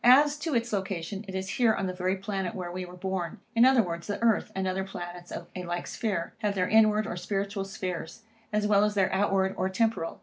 As to its location, it is here on the very planet where we were born; or, in other words, the earth and other planets of a like sphere, have their inward or spiritual spheres, as well as their outward, or temporal.